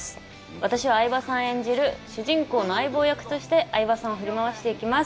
私は相葉さん演じる主人公の相棒役として相葉さんを振り回していきます。